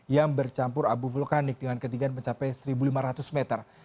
yang bercampur abu vulkanik dengan ketinggian mencapai satu lima ratus meter